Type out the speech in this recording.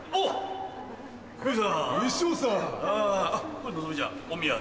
これノゾミちゃんお土産。